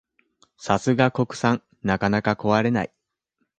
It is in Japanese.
さすが国産、なかなか壊れない